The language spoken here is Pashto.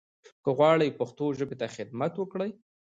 که غواړٸ پښتو ژبې ته خدمت وکړٸ